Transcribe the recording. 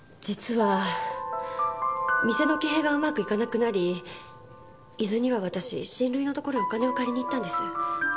実は店の経営がうまくいかなくなり伊豆には私親類のところへお金を借りに行ったんです。